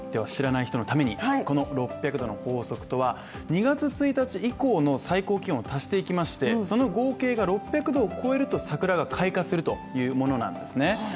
知らない人のために６００度の法則とは２月１日以降の最高気温を足していきましてその合計が６００度を超えると桜が開花するというものなんですね。